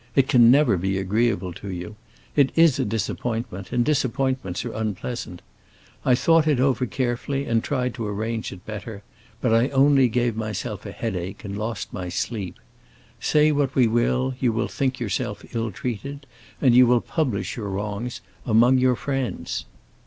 It can never be agreeable to you. It is a disappointment, and disappointments are unpleasant. I thought it over carefully and tried to arrange it better; but I only gave myself a headache and lost my sleep. Say what we will, you will think yourself ill treated, and you will publish your wrongs among your friends.